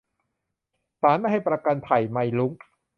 ศาลไม่ให้ประกัน ไผ่ ไมค์ รุ้ง